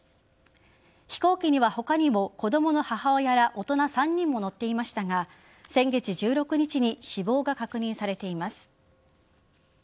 飛行機には他にも子供の母親ら大人３人も乗っていましたが先月１６日に死亡が確認されています。